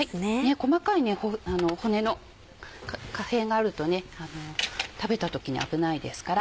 細かい骨の破片があると食べた時に危ないですから。